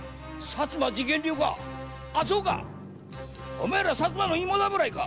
お前ら薩摩のイモ侍か？